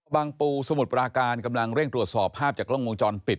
ปูสมุทรปราการกำลังเร่งตรวจสอบภาพจากกล้องวงจรปิด